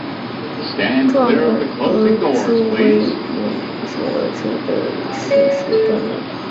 壮吻额蛛为皿蛛科吻额蛛属的动物。